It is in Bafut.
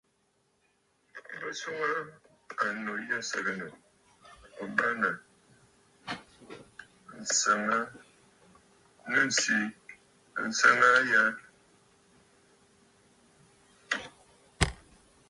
Bɨ swoŋə aa annu yî sɨgɨ̀ǹə̀ ò bâŋnə̀ senə nɨ̂ ǹsî sènə̀ aa a ya?